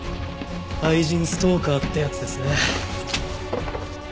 愛人ストーカーってやつですね。